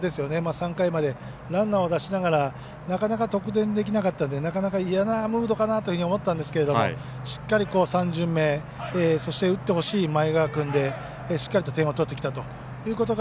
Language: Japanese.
３回までランナーを出しながら、なかなか得点できなかったのでなかなか嫌なムードかなと思ったんですけどしっかり３巡目、そして打ってほしい前川君で、しっかりと点を取ってきたということが。